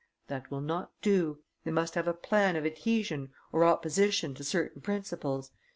That will not do, they must have a plan of adhesion or opposition to certain principles.